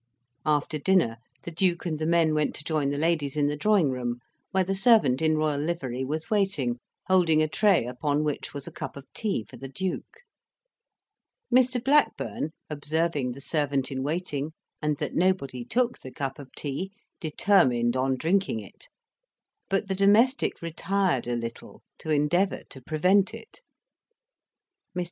After dinner the Duke and the men went to join the ladies in the drawing room, where the servant in royal livery was waiting, holding a tray upon which was a cup of tea for the Duke. Mr. Blackburn, observing the servant in waiting, and that nobody took the cup of tea, determined on drinking it; but the domestic retired a little, to endeavour to prevent it. Mr.